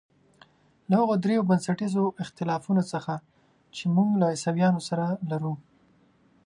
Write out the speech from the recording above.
له هغو درېیو بنسټیزو اختلافونو څخه چې موږ له عیسویانو سره لرو.